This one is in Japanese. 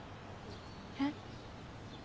えっ？